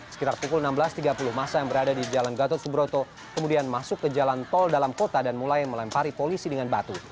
sekitar pukul enam belas tiga puluh masa yang berada di jalan gatot subroto kemudian masuk ke jalan tol dalam kota dan mulai melempari polisi dengan batu